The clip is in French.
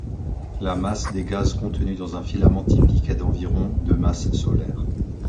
La masse des gaz contenus dans un filament typique est d'environ de masses solaires.